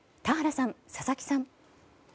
田原さん、佐々木さん。